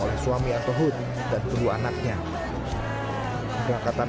meli guslau dipercaya sebagai salah satu wakil indonesia yang berangkat ke palestina